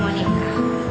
ntar lagi mau nikah